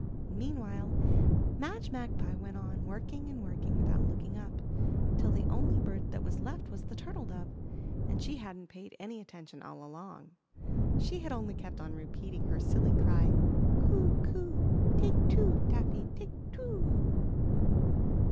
Meanwhile, Madge Magpie went on working and working without looking up, till the only bird that was left was the Turtle Dove, and she hadn't paid any attention all along. She had only kept on repeating her silly cry, Coo! Coo! Take two, Taffy, take two o o o."